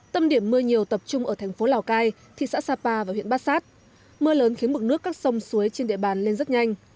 tâm điểm mưa nhiều tập trung ở thành phố lào cai thị xã sapa và huyện bát sát mưa lớn khiến mực nước các sông suối trên địa bàn lên rất nhanh